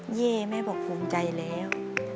แย่แม่บอกภูมิใจแล้ว